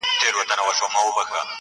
پام چي توی نه کړې مرغلیني اوښکي -